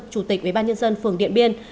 chủ tịch ubnd phường điện biên